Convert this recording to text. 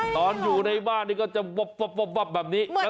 ตอนอยู่ในบ้านก็จะเบาบแบบนี้